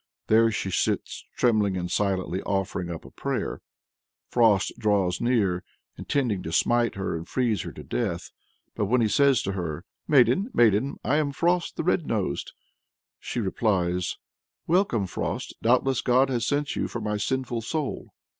There she sits, "trembling and silently offering up a prayer." Frost draws near, intending "to smite her and to freeze her to death." But when he says to her, "Maiden, maiden, I am Frost the Red Nosed," she replies "Welcome, Frost; doubtless God has sent you for my sinful soul."